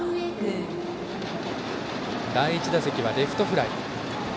第１打席はレフトフライ。